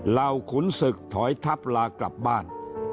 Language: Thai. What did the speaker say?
ขุนศึกถอยทับลากลับบ้าน